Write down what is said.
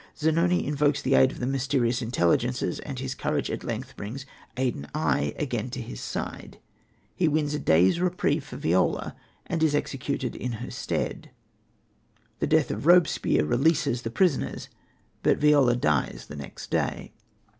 Zanoni invokes the aid of the mysterious Intelligences, and his courage at length brings Adon Ai again to his side. He wins a day's reprieve for Viola, and is executed in her stead. The death of Robespierre releases the prisoners, but Viola dies the next day.